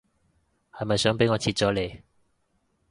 係咪想俾我切咗你